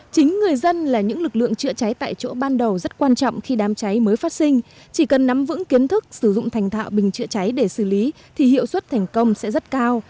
chính người dân là những lực lượng chữa cháy tại chỗ ban đầu rất quan trọng khi đám cháy mới phát sinh chỉ cần nắm vững kiến thức sử dụng thành thạo bình chữa cháy để xử lý thì hiệu suất thành công sẽ rất cao